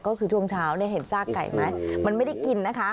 ก็คือช่วงเช้าเนี่ยเห็นซากไก่ไหมมันไม่ได้กินนะคะ